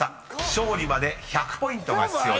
［勝利まで１００ポイントが必要です。